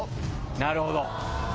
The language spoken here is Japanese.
なるほど！